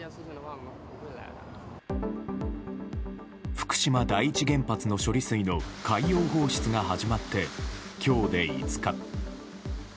福島第一原発の処理水の海洋放出が始まって今日で５日。